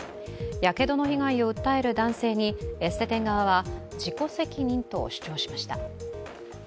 やけどの被害を訴える男性にエステ店側は自己責任と主張しました。